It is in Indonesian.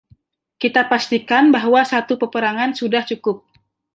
Kita pastikan bahwa satu peperangan sudah cukup.